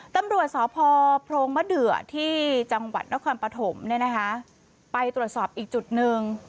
ตำรวจสพโพรงมะเดือที่จังหวัดนครปฐมเนี่ยนะคะไปตรวจสอบอีกจุดหนึ่ง